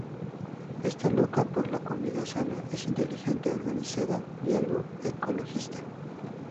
Está loca por la comida sana, es inteligente, organizada y algo ecologista.